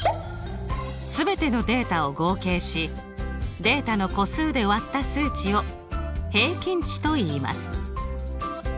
全てのデータを合計しデータの個数で割った数値を平均値といいます。